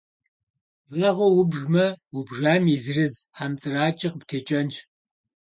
Вагъуэ убжмэ, убжам и зырыз хьэмцӏыракӏэ къыптекӏэнщ.